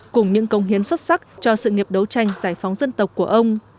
cùng những công hiến xuất sắc cho sự nghiệp đấu tranh giải phóng dân tộc của ông